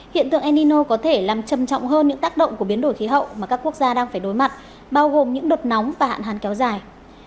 hiện tượng enino có thể làm trầm trọng hơn những tác động của biến đổi khí hậu mà các quốc gia đang phải đối mặt bao gồm những đợt nóng và hạn hán kéo dài